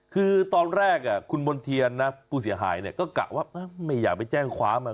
คือตอนแรกคุณมณ์เทียนนะผู้เสียหายเนี่ยก็กะว่าไม่อยากไปแจ้งความ